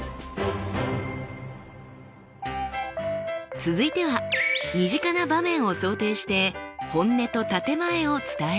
続いては身近な場面を想定して「本音」と「建て前」を伝えてみましょう。